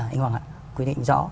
anh hoàng ạ quy định rõ